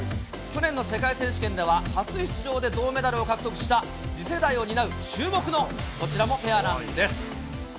去年の世界選手権では初出場で銅メダルを獲得した、次世代を担う注目の、こちらもペアなんです。